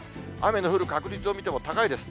雨の降る確率を見ても高いです。